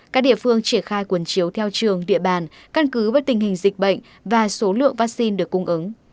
các địa phương triển khai quần chiếu theo trường địa bàn căn cứ vào tình hình dịch bệnh và số lượng vaccine được cung ứng